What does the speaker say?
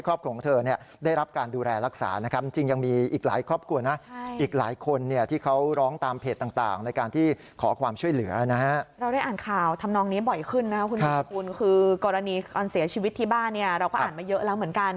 คุณผู้ชมคุณคือกรณีการเสียชีวิตที่บ้านเราก็อ่านมาเยอะแล้วเหมือนกัน